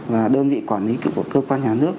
và đơn vị quản lý của cơ quan nhà nước